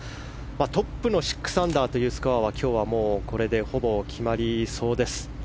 トップの６アンダーというスコアは今日はこれで、ほぼ決まりそうです。